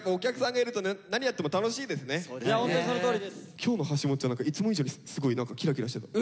今日のはしもっちゃん何かいつも以上にすごいキラキラしてた。